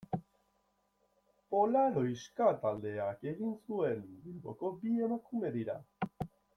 Polaroiska taldeak egin zuen, Bilboko bi emakume dira.